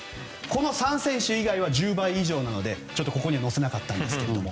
この３選手以外は１０倍以上なのでここには載せなかったんですが。